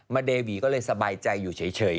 เดวีก็เลยสบายใจอยู่เฉย